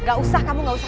gak usah kamu gak usah